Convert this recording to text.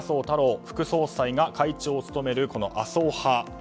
太郎副総裁が会長を務めるこの麻生派。